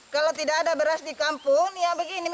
kalau tidak ada beras di kampung ya begini